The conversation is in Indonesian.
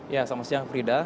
ya selamat siang frida